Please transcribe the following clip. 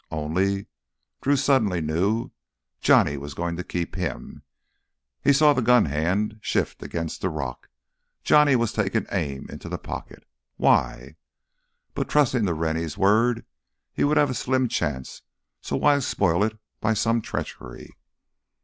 Only, Drew suddenly knew, Johnny was going to keep him. He saw the gun hand shift against the rock—Johnny was taking aim into the pocket. Why? By trusting to Rennie's word he would have a slim chance, so why spoil it by some treachery?